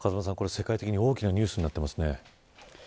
世界的に大きなニュースになっていますね。